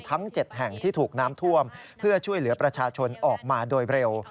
ทั้ง๗แห่งที่ถูกน้ำท่วมเพื่อช่วยเหลือประชาชนออกมาโดยเร็ว